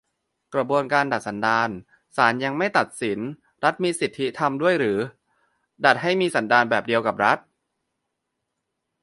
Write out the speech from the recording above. "กระบวนการดัดสันดาน" ? ศาลยังไม่ตัดสิน รัฐมีสิทธิทำด้วยหรือ ? ดัดให้มีสันดานแบบเดียวกับรัฐ ?